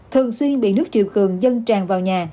thường xuyên bị nước triều cường dân tràn vào nhà